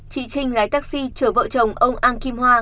chị trinh lái taxi chở vợ chồng ông an kim hoa